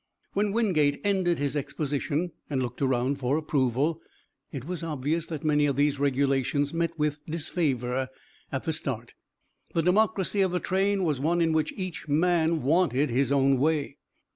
When Wingate ended his exposition and looked around for approval it was obvious that many of these regulations met with disfavor at the start. The democracy of the train was one in which each man wanted his own way.